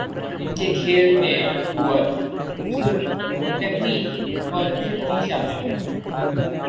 ان کے کھیل میں قوت، خوبصورتی ، تکنیک اور پھرتی شامل ہے۔